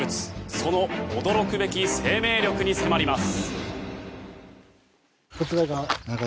その驚くべき生命力に迫ります。